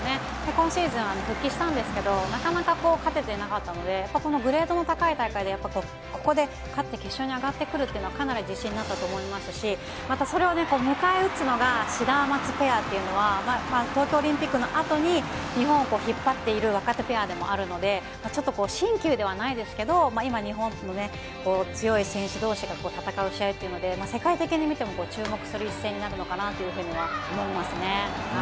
今シーズン、復帰したんですけど、なかなか勝ててなかったので、やっぱこのグレードの高い大会で、やっぱりここで勝って決勝に上がってくるというのは、かなり自信になったと思いますし、またそれを迎え撃つのが、シダマツペアというのは、東京オリンピックのあとに日本を引っ張っている若手ペアでもあるので、ちょっと新旧ではないですけど、今、日本の強い選手どうしが戦う試合というので、世界的に見ても、注目する一戦になるのかなというふうには思いますね。